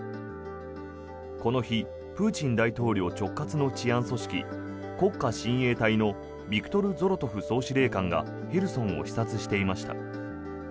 この日、プーチン大統領直轄の治安組織、国家親衛隊のビクトル・ゾロトフ総司令官がヘルソンを視察していました。